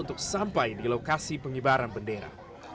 untuk sampai di lokasi pengibaran bendera